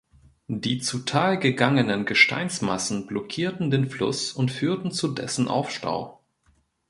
Die zu Tal gegangenen Gesteinsmassen blockierten den Fluss und führten zu dessen Aufstau.